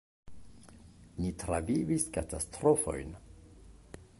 "Ni travivis katastrofojn."